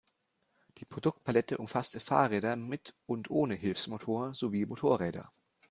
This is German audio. Die Produktpalette umfasste Fahrräder mit und ohne Hilfsmotor, sowie Motorräder.